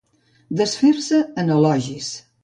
Desfer-se en elogis.